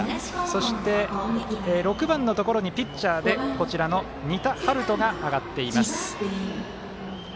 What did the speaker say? そして、６番のところにピッチャーでこちらの仁田陽翔が上がっています。